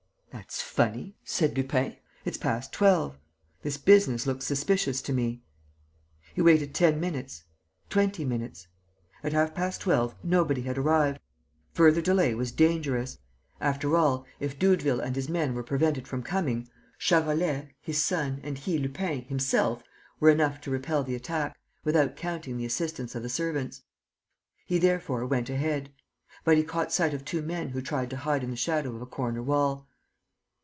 "That's funny," said Lupin. "It's past twelve. ... This business looks suspicious to me." He waited ten minutes, twenty minutes. At half past twelve, nobody had arrived. Further delay was dangerous. After all, if Doudeville and his men were prevented from coming, Charolais, his son and he, Lupin, himself were enough to repel the attack, without counting the assistance of the servants. He therefore went ahead. But he caught sight of two men who tried to hide in the shadow of a corner wall.